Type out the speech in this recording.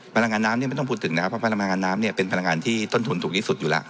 พลังงานน้ำนี่ไม่ต้องพูดถึงนะครับเพราะพลังงานน้ำเนี่ยเป็นพลังงานที่ต้นทุนถูกที่สุดอยู่แล้ว